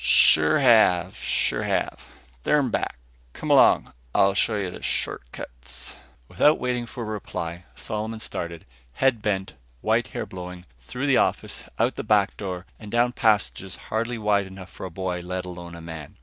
"Sure have. Sure have. They're in back. Come along. I'll show you the short cuts." Without waiting for a reply, Solomon started, head bent, white hair blowing; through the office, out the back door and down passages hardly wide enough for a boy, let alone a man.